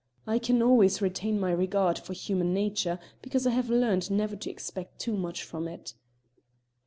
"I can always retain my regard for human nature, because I have learned never to expect too much from it."